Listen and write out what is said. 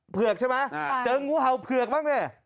เผือกใช่ไหมเจอกงูแห่วเผือกมากเลย